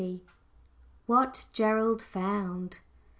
WHAT GERALD FOUND.